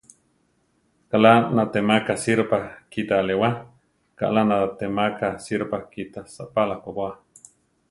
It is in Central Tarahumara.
Kaʼlá natémaka sirópa kita alewá; kaʼlá natémaka sirópa kita saʼpála koba.